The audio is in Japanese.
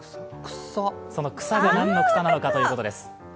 その草が何の草なのかということです。